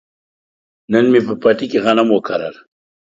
نن مې په پټي کې غنم وکرل.